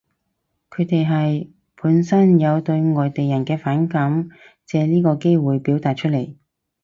佢哋係，本身有對外地人嘅反感，借呢個機會表達出嚟